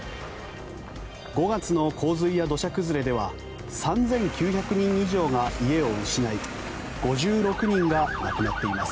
５月の洪水や土砂崩れでは３９００人以上が家を失い５６人が亡くなっています。